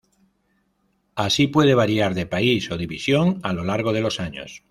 Así, puede variar de país o división a lo largo de los años.